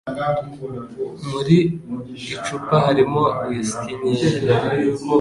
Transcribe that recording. Muri icupa harimo whiski nkeya.